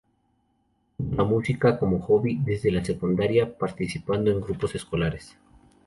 Tuvo la música como hobby desde la secundaria, participando en grupos escolares.